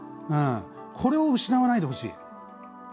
これを失わないでほしい。